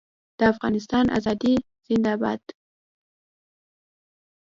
د افغانستان ازادي زنده باد.